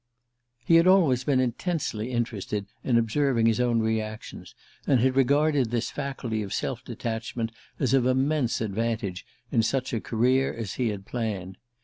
... He had always been intensely interested in observing his own reactions, and had regarded this faculty of self detachment as of immense advantage in such a career as he had planned.